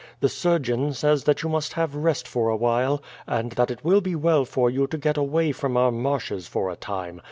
The surgeon says that you must have rest for awhile, and that it will be well for you to get away from our marshes for a time.